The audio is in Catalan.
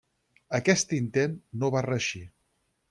Aquest intent no va reeixir.